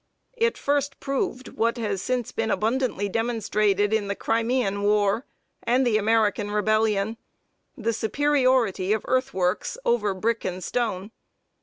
It first proved what has since been abundantly demonstrated in the Crimean war, and the American Rebellion the superiority of earthworks over brick and stone.